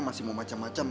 masih mau macam macam